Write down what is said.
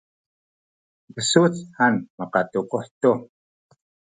besuc han makatukuh tu